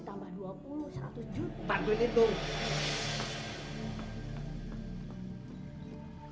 udahlah pasti bener lah